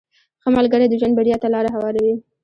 • ښه ملګری د ژوند بریا ته لاره هواروي.